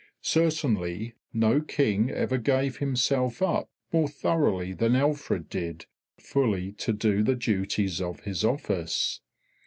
Certainly no King ever gave himself up more thoroughly than Alfred did fully to do the duties of his office.